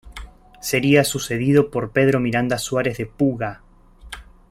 Sería sucedido por Pedro Miranda Suárez de Puga.